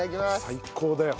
最高だよ。